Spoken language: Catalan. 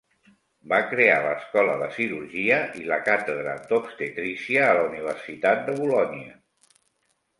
Va crear l'escola de cirurgia i la càtedra d'obstetrícia a la universitat de Bolonya.